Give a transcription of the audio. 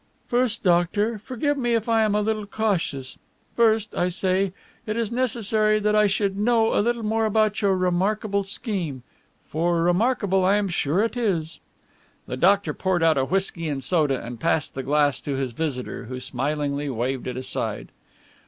"First, doctor forgive me if I am a little cautious; first I say, it is necessary that I should know a little more about your remarkable scheme, for remarkable I am sure it is." The doctor poured out a whisky and soda and passed the glass to his visitor, who smilingly waved it aside.